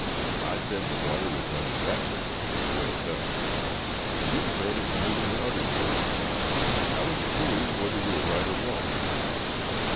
I said the water was running that way, the way it does, and you declared it was moving in the other direction, how would you prove whether you were right or wrong?"